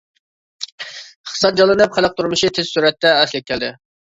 ئىقتىساد جانلىنىپ، خەلق تۇرمۇشى تېز سۈرەتتە ئەسلىگە كەلدى.